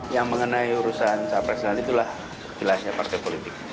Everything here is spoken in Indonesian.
yang mengenai urusan saya presiden itulah pilihannya partai politik